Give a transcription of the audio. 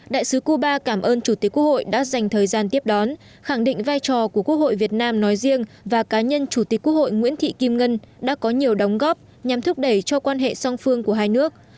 đại sứ cuba cảm ơn chủ tịch quốc hội đã dành thời gian tiếp đón khẳng định vai trò của quốc hội việt nam nói riêng và cá nhân chủ tịch quốc hội nguyễn thị kim ngân đã có nhiều đóng góp nhằm thúc đẩy cho quan hệ song phương của hai nước